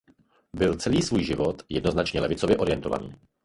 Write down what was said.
Byl celý svůj život jednoznačně levicově orientovaný.